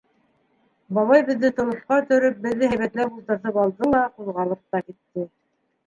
Бабай беҙҙе толопҡа төрөп, беҙҙе һәйбәтләп ултыртып алды ла ҡуҙғалып та китте.